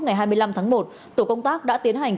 ngày hai mươi năm tháng một tổ công tác đã tiến hành